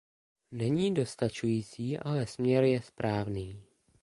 Není dostačující, ale směr je správný.